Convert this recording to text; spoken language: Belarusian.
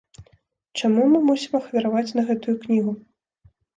Чаму мы мусім ахвяраваць на гэтую кнігу?